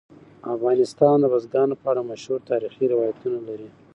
افغانستان د بزګانو په اړه مشهور تاریخی روایتونه لري.